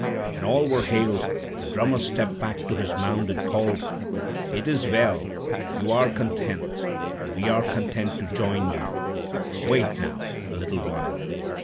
When all were hailed, the drummer stepped back to his mound, and called: "'It is well. You are content, and we are content to join you. Wait, now, a little while.'